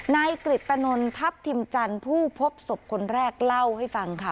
นายกริตนนทัพทิมจันทร์ผู้พบศพคนแรกเล่าให้ฟังค่ะ